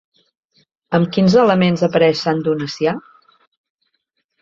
Amb quins elements apareix Sant Donacià?